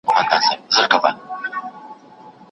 څنګه لوی سوداګر افغاني غالۍ ترکیې ته لیږدوي؟